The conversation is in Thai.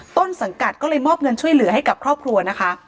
ต้นสังกัดก็เลยมอบเงินช่วยเหลือให้กับครอบครัวนะคะ